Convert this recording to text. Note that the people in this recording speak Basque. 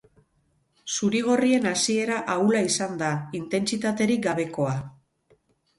Zuri-gorrien hasiera ahula izan da, intentsitaterik gabekoa.